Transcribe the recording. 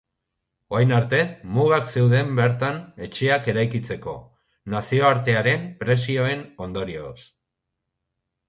Orain arte, mugak zeuden bertan etxeak eraikitzeko, nazioartearen presioen ondorioz.